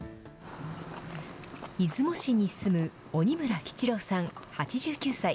出雲市に住む鬼村吉郎さん８９歳。